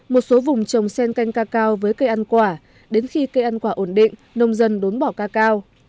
một số vùng trồng sen canh ca cao với cây ăn quả đến khi cây ăn quả ổn định nông dân đốn bỏ ca cao